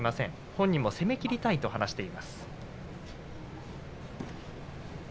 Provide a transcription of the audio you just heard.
本人も攻めきりたいと話しています。